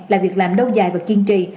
là việc làm đâu dài và kiên trì